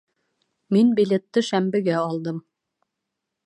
Мин билетты шәмбегә алдым